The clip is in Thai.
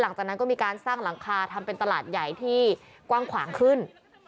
หลังจากนั้นก็มีการสร้างหลังคาทำเป็นตลาดใหญ่ที่กว้างขวางขึ้น